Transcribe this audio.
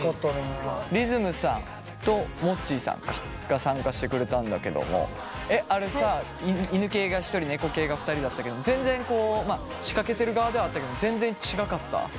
りずむさんともっちーさんか。が参加してくれたんだけどもあれさ犬系が１人猫系が２人だったけど全然こう仕掛けてる側ではあったけども全然違かった？